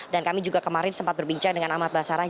dan kami juga kemarin sempat berbincang dengan ahmad basarah